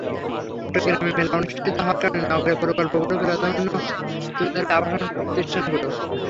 চট্টগ্রামে মেলা অনুষ্ঠিত হওয়ার কারণে নগরের প্রকল্পগুলো প্রাধান্য তুলে ধরবে আবাসন প্রতিষ্ঠানগুলো।